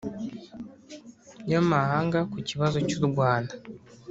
y'amahanga ku kibazo cy'u rwanda.